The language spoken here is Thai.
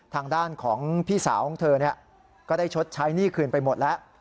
ทางด้านของพี่สาวของเธอก็ได้ชดใช้หนี้คืนไปหมดแล้ว